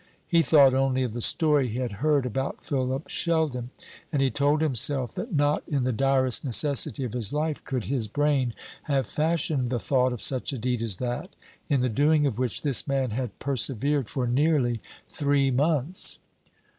He thought only of the story he had heard about Philip Sheldon; and he told himself that not in the direst necessity of his life could his brain have fashioned the thought of such a deed as that, in the doing of which this man had persevered for nearly three months.